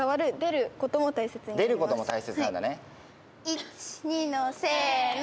１２のせの。